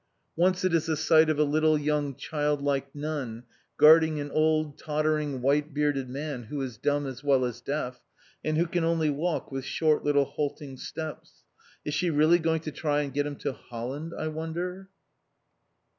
Once it is the sight of a little, young, childlike nun, guarding an old, tottering, white bearded man who is dumb as well as deaf, and who can only walk with short, little, halting steps. Is she really going to try and get him to Holland, I wonder?